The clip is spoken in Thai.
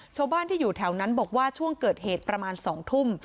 ชาวบ้านที่อยู่แถวนั้นบอกว่าช่วงเกิดเหตุประมาณ๒ทุ่ม